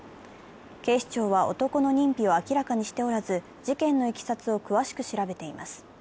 警視庁は、男の認否を明らかにしておらず、事件のいきさつを詳しく調べています。